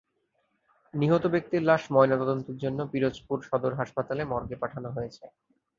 নিহত ব্যক্তির লাশ ময়নাতদন্তের জন্য পিরোজপুর সদর হাসপাতাল মর্গে পাঠানো হয়েছে।